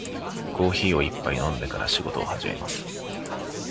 コーヒーを一杯飲んでから仕事を始めます。